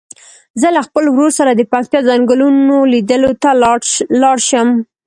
زه له خپل ورور سره د پکتیا څنګلونو لیدلو ته لاړ شم.